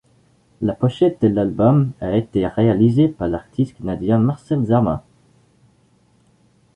La pochette de l'album a été réalisée par l'artiste canadien Marcel Dzama.